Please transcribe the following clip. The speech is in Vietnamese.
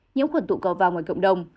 nhiễm khuẩn tụ cầu vang ngoài cộng đồng